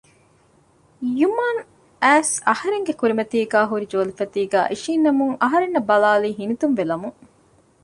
ޔުމްނު އައިސް އަހަރެންގެ ކުރިމަތީގައި ހުރި ޖޯލިފަތީގައި އިށީންނަމުން އަހަރެންނަށް ބަލާލީ ހިނިތުންވެލަމުން